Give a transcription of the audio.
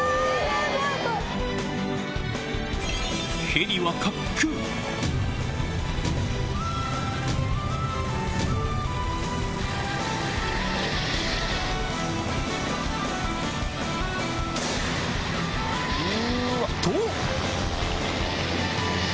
ヘリはと！